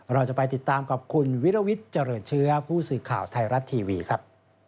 เราจะไปติดตามกับคุณวิรวิทย์เจริญเชื้อผู้สื่อข่าวไทยรัฐทีวีครับ